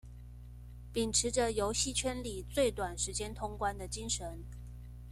秉持著遊戲圈裡最短時間通關的精神